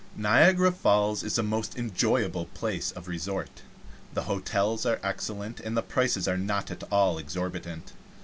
] Niagara Falls is a most enjoyable place of resort. The hotels are excellent, and the prices not at all exorbitant.